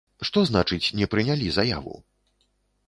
Што значыць не прынялі заяву?